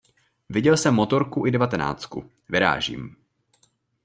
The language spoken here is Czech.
Viděl jsem motorku i devatenáctku, vyrážím.